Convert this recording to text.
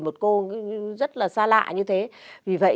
một cơn gió trời ơi